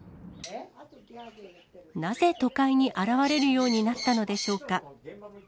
なぜ、都会に現れるようになったのでしょうか。